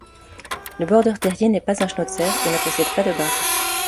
Le border terrier n'est pas un schnauzer et ne possède pas de barbe.